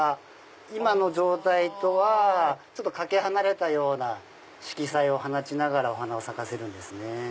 今の状態とは懸け離れたような色彩を放ちながらお花を咲かせるんですね。